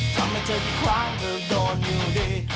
ทำให้เธออยู่ขวางก็โดนอยู่ดี